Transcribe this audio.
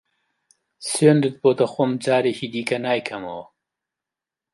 سوێندت بۆ دەخۆم جارێکی دیکە نایکەمەوە.